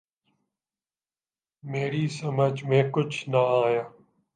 میری سمجھ میں کچھ نہ آیا